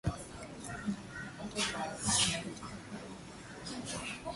na alijipatia umaarufu sana katika filamu kadha wa kadha